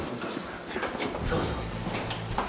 そうそう。